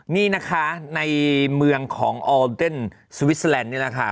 นี่นะคะในเมืองของออเดนสวิสเตอร์แลนด์นี่แหละค่ะ